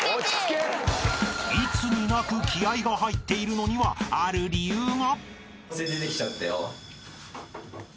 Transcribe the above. ［いつになく気合が入っているのにはある理由が］